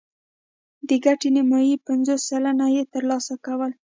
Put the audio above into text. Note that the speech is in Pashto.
د ګټې نیمايي پنځوس سلنه یې ترلاسه کوله